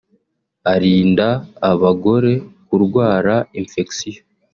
arinda abagore kurwara infection